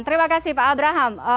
terima kasih pak abraham